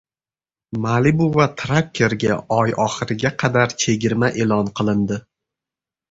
«Malibu» va «Tracker»ga oy oxiriga qadar chegirma e’lon qilindi